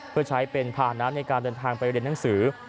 เพื่อใช้เป็นภานะในการเดินทางไปเรียนหนังสือ